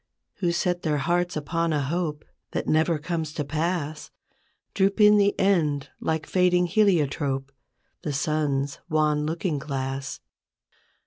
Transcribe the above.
Who set their heart upon a hope That never coipes to pass, Droop in the end like fading heliotrope, The sun's wan looking glass.